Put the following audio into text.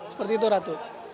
seperti itu ratu